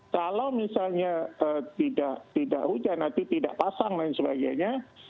kalau misalnya tidak hujan nanti tidak pasang dan sebagainya